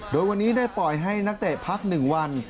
โดยวันนี้ได้ปล่อยให้นักเตะพัก๑วัน